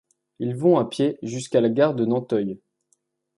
Ils vont à pied jusqu’à la gare de Nanteuil.